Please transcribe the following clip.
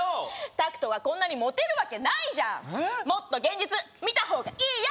タクトがこんなにモテるわけないじゃんもっと現実見たほうがいいよ